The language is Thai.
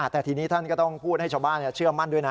แต่ทีนี้ท่านก็ต้องพูดให้ชาวบ้านเชื่อมั่นด้วยนะ